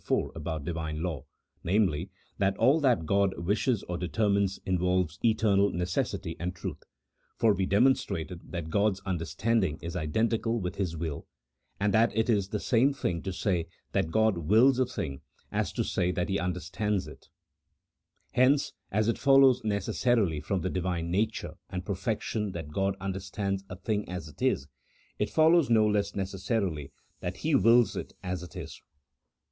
IY. about Divine law — namely, that all that God CHAP. VI.] OF MIRACLES. 83 wishes or determines involves eternal necessity and truth, for we demonstrated that God's understanding is identical with His will, and that it is the same thing to say that ■God wills a thing, as to say that He understands it ; hence, as it follows necessarily from the Divine nature and per fection that God understands a thing as it is, it follows no less necessarily that He wills it as it is.